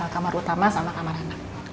kamar utama sama kamar anak